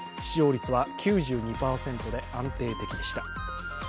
使用率は９２％で安定的でした。